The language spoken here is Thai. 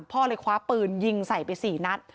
พ่อเลยคว้าปืนยิงใส่ไป๔นัด